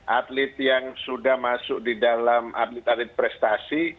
atlet yang sudah masuk di dalam atlet atlet prestasi